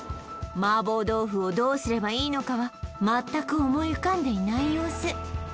麻婆豆腐をどうすればいいのかはまったく思い浮かんでいない様子